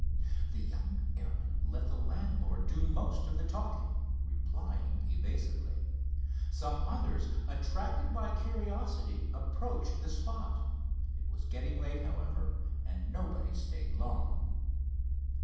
The young airman let the landlord do most of the talking, replying evasively. Some others, attracted by curiosity, approached the spot. It was getting late, however, and nobody stayed long.